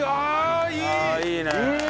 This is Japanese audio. いいね！